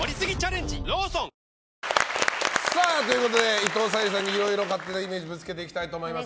伊藤沙莉さんにいろいろ勝手なイメージをぶつけていきたいと思います。